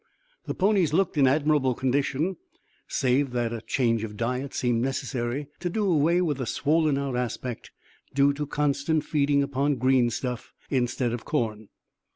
The ponies looked in admirable condition save that a change of diet seemed necessary to do away with a swollen out aspect due to constant feeding upon green stuff instead of corn.